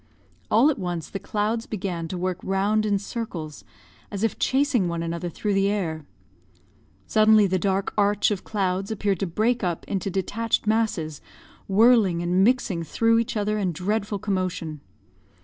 All at once the clouds began to work round in circles, as if chasing one another through the air. Suddenly the dark arch of clouds appeared to break up into detached masses, whirling and mixing through each other in dreadful commotion.